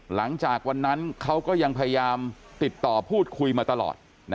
หลังจากวันนั้นเขาก็ยังพยายามติดต่อพูดคุยมาตลอด